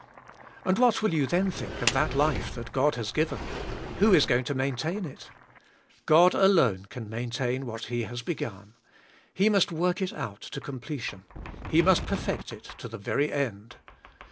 And what will you then think of that life that God has given? Who is going to maintain it? God, alone, can maintain what He has begun. He must work it out to completion. He must perfect it to the very end.